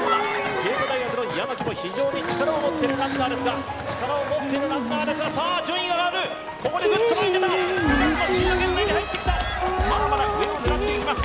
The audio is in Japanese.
帝都大学の山木も非常に力を持ってるランナーですが力を持ってるランナーですがさあ順位が上がるここでグッと前に出た悲願のシード権内に入ってきたまだまだ上を狙っていきます